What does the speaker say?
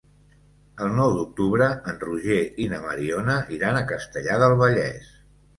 El nou d'octubre en Roger i na Mariona iran a Castellar del Vallès.